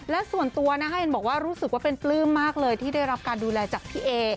และส่วนตัวนะคะเห็นบอกว่ารู้สึกว่าเป็นปลื้มมากเลยที่ได้รับการดูแลจากพี่เอ